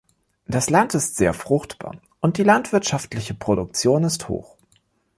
Das Land ist sehr fruchtbar und die landwirtschaftliche Produktion ist hoch.